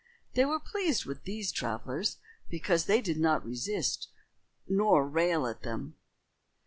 They were pleased with these travelers because they did not resist nor rail at them.